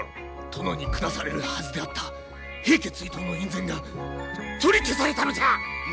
殿に下されるはずであった平家追討の院宣が取り消されたのじゃ！